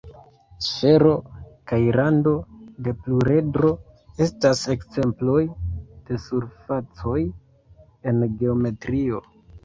Sfero kaj rando de pluredro estas ekzemploj de surfacoj en geometrio.